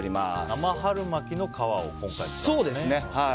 生春巻きの皮を今回使って。